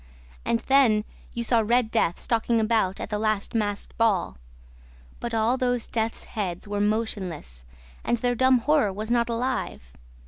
And then you saw Red Death stalking about at the last masked ball. But all those death's heads were motionless and their dumb horror was not alive.